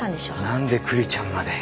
何でクリちゃんまで？